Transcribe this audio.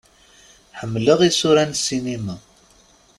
Ḥemmleɣ isura n ssinima.